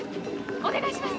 お願いします！